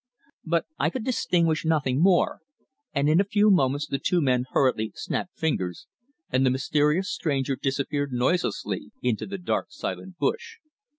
But I could distinguish nothing more, and in a few moments the two men hurriedly snapped fingers, and the mysterious stranger disappeared noiselessly into the dark silent bush.